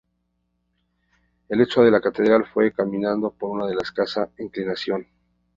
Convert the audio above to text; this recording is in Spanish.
El techo de la catedral fue cambiado por uno de escasa inclinación.